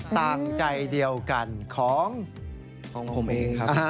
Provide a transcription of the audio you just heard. ต่างใจเดียวกันของผมเองครับ